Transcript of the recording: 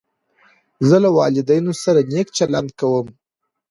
زه له والدینو سره نېک چلند کوم.